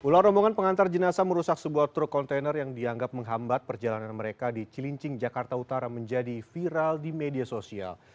ular rombongan pengantar jenasa merusak sebuah truk kontainer yang dianggap menghambat perjalanan mereka di cilincing jakarta utara menjadi viral di media sosial